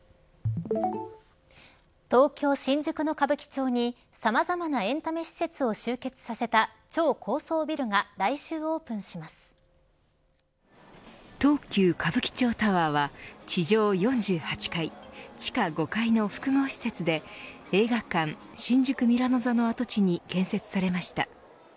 東京、新宿の歌舞伎町にさまざまなエンタメ施設を集結させた超高層ビルが東急歌舞伎町タワーは地上４８階地下５階の複合施設で映画館、新宿ミラノ座の跡地に建設されました。